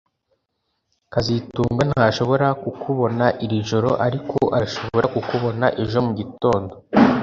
kazitunga ntashobora kukubona iri joro ariko arashobora kukubona ejo mugitondo